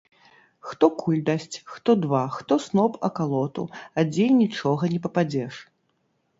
Хто куль дасць, хто два, хто сноп акалоту, а дзе й нічога не пападзеш.